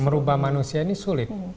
merubah manusia ini sulit